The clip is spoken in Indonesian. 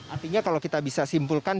artinya kalau kita bisa simpulkan